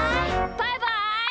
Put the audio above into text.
バイバイ！